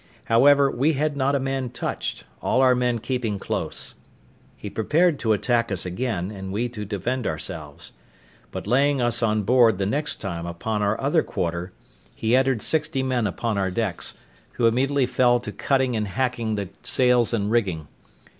However, we had not a man touched, all our men keeping close. He prepared to attack us again, and we to defend ourselves. But laying us on board the next time upon our other quarter, he entered sixty men upon our decks, who immediately fell to cutting and hacking the sails and rigging.